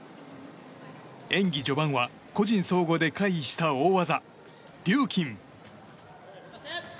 演技序盤は個人総合で回避した大技リューキン。